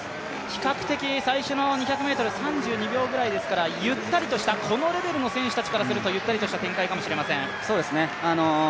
比較的最初の２００ｍ、３２秒ぐらいですから、このレベルの選手たちからするとゆったりとした展開かもしれません。